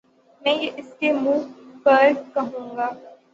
میں یہ اسکے منہ پر کہوں گا